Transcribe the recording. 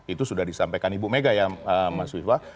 itu sudah disampaikan ibu mega ya mas viva